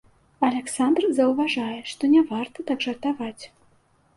Аляксандр заўважае, што не варта так жартаваць.